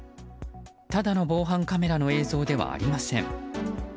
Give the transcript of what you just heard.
ただの防犯カメラの映像ではありません。